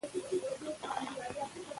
د افغانستان جغرافیه کې جلګه ستر اهمیت لري.